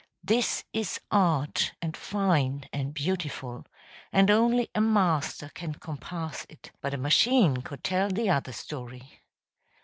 This is art and fine and beautiful, and only a master can compass it; but a machine could tell the other story.